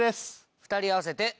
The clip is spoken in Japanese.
２人合わせて。